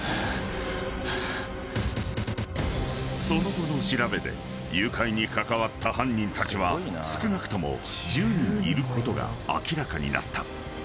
［その後の調べで誘拐に関わった犯人たちは少なくとも１０人いることが明らかになった］